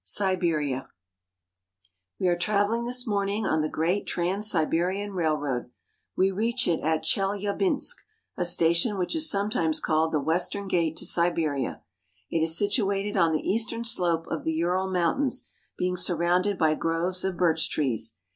SIBERIA WE are traveling this morning on the great Trans Siberian Railroad. We reached it at Chelyabinsk (chel ya bensk'), a station which is sometimes called the western gate to Siberia. It is situated on the eastern slope of the Ural Mountains, being surrounded by groves of birch trees.